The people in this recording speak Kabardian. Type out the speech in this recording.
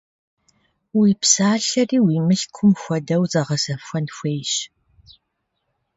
Уи псалъэри уи мылъкум хуэдэу зэгъэзэхуэн хуейщ.